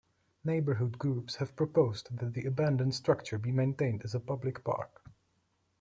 Neighborhood groups have proposed that the abandoned structure be maintained as a public park.